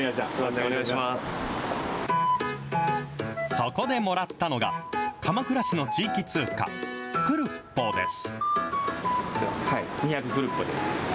そこでもらったのが、鎌倉市の地域通貨、クルッポです。